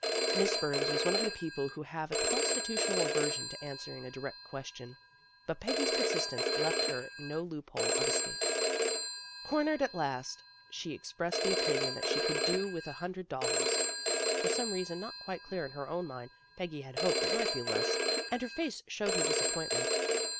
Miss Burns was one of the people who have a constitutional aversion to answering a direct question, but Peggy's persistence left her no loop hole of escape. Cornered at last, she ex FRIENDLY TERRACE ORPHANAGE 107 pressed the opinion that she could do with a hundred dollars. For some reason not quite clear in her own mind, Peggy had hoped it might be less, and her face showed her disap pointment.